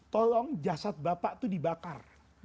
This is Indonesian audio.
tolong jasad bapak itu dibakar